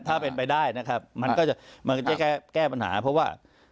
ถ้าเป็นไปได้นะครับมันก็จะมันก็จะแก้ปัญหาเพราะว่า